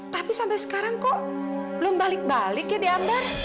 tapi sampai sekarang kok belum balik balik ya diambat